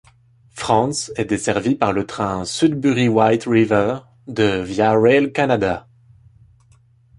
Franz est desservie par le train Sudbury-White River de Via Rail Canada.